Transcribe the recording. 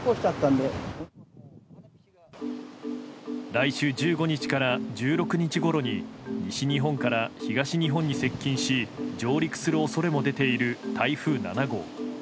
来週１５日から１６日ごろに西日本から東日本に接近し上陸する恐れも出ている台風７号。